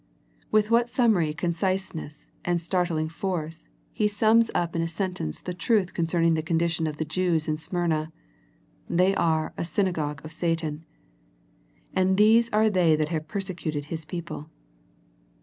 With what summary conciseness and start ling force He sums up in a sentence the truth concerning the condition of the Jews in Smyrna. They are " a synagogue of Satan," and these are they that have persecuted His people.